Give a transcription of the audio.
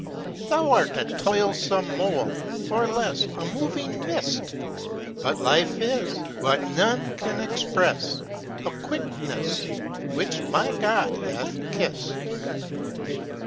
Thou art a toilsome mole, or less, .\ moving mist. Hut life is what none can express, A quickness which my God hath kissed.